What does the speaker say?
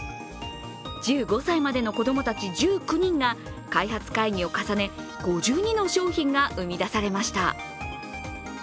１５歳までの子供たち１９人が開発会議を重ね、５２の商品が生み出されました。